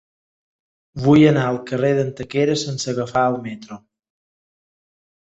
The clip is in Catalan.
Vull anar al carrer d'Antequera sense agafar el metro.